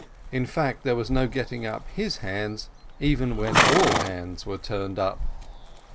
In fact, there was no getting up his hands, even when all hands were turned up.